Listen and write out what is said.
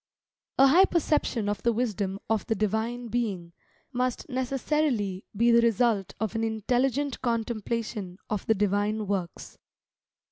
A high perception of the wisdom of the Divine Being, must necessarily be the result of an intelligent contemplation of the Divine works.